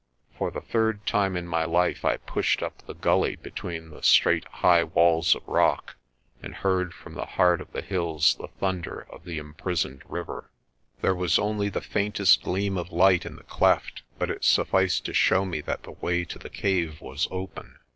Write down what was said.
For the third time in my life I pushed up the gully between the straight high walls of rock and heard from the heart of the hills the thunder of the imprisoned river. There was only the faintest gleam of light in the cleft but it sufficed to show me that the way to the cave was open.